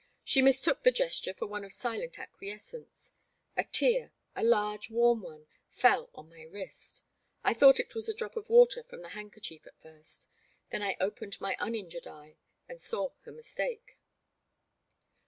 She mistook the gesture for one of silent acquies cence. A tear — a large warm one — fell on my wrist ; I thought it was a drop of water from the handkerchief at first. Then I opened my unin jured eye and saw her mistake.